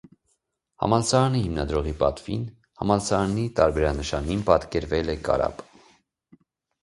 Համալսարանը հիմնադրողի պատվին համալսարանի տարբերանշանին պատկերվել է կարապ։